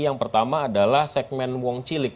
yang pertama adalah segmen wong cilik